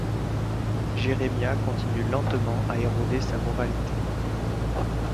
Jeremiah continue lentement à éroder sa moralité...